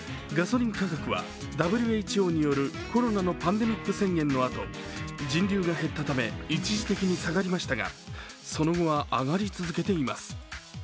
ガソリン価格はＷＨＯによるコロナのパンデミック宣言のあと人流が減ったため、一時的に下がりましたが、その後は上がり続けています。